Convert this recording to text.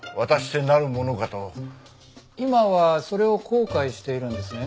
今はそれを後悔しているんですね？